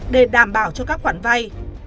để đảm bảo cho các quản vay